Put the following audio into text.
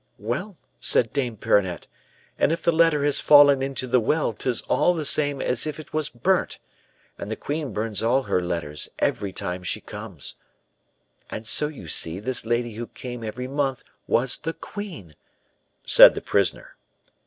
"'Well,' said Dame Perronnette; 'and if the letter has fallen into the well, 'tis all the same as if it was burnt; and as the queen burns all her letters every time she comes ' "And so you see this lady who came every month was the queen," said the prisoner.